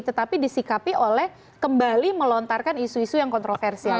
tetapi disikapi oleh kembali melontarkan isu isu yang kontroversial